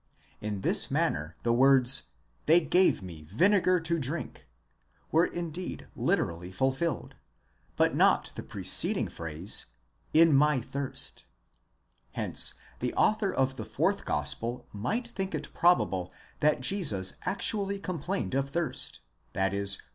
In this manner the words: they gave me vinegar to drink, ἐπότισάν pe ὄξος, were indeed literally fulfilled, but not the preceding phrase: zz my thirst, εἰς τὴν δίψαν pov; hence the author of the fourth gospel might think it probable that Jesus actually complained of thirst, i.e.